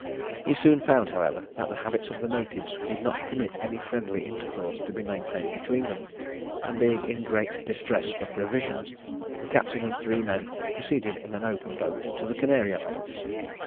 He soon found, however, that the habits of the natives would not permit any friendly intercourse to be maintained between them; and being in great distress for provisions, the captain and three men proceeded in an open boat to the Canary Isles.